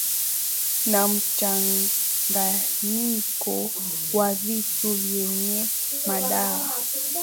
na mchanganyiko wa vitu vyenye madhara